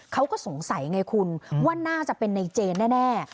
เขาก็สงสัยไงคุณว่าน่าจะเป็นในเจนแน่